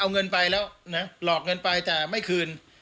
เอาเงินไปแล้วนะหลอกเงินไปแต่ไม่คืน